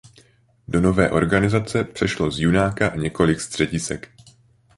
Do nové organizace přešlo z Junáka několik středisek.